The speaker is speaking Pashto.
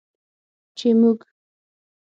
چې موږ